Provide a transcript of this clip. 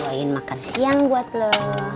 gua mau coba makan siang buat lo